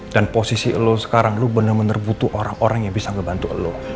dan posisi lo sekarang lo bener bener butuh orang orang yang bisa ngebantu lo